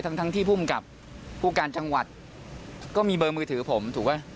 ทั้งทั้งที่ภูมิกับผู้การจังหวัดก็มีเบอร์มือถือผมถูกไหม